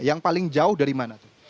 yang paling jauh dari mana tuh